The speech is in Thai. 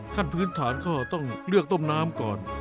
ขั้นพื้นฐานก็ต้องเลือกต้มน้ำก่อน